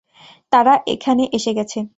তারা এখানে এসে গেছে।